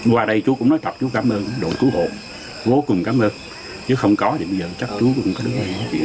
qua đây chú cũng nói tập chú cảm ơn đội cứu hộ vô cùng cảm ơn chứ không có thì bây giờ chắc chú cũng không có được